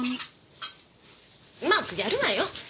うまくやるわよ。